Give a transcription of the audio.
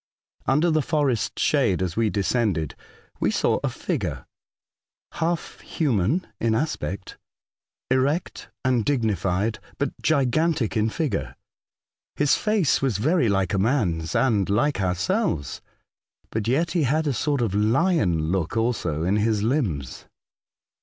Under the forest shade, as we descended, we saw a figure half human in aspect — erect and dignified — but gigantic in figure. His face was very like a man's and like ourselves, but yet he had a sort of lion look also in his limbs. 108 A Voyage to Other Worlds.